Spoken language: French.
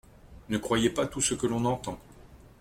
Ne croyez pas tout ce que l’on entend.